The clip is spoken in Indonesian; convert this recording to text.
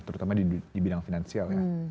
terutama di bidang finansial